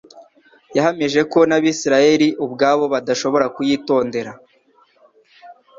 Yahamije ko n'Abisireli ubwabo badashobora kuyitondera.